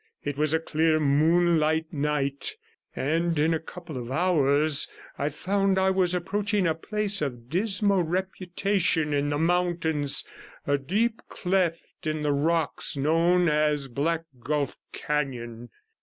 It was a clear moonlight night, and in a couple of hours I found I was approaching a place of dismal reputation in the mountains, a deep cleft in the rocks, known as Black Gulf Canon.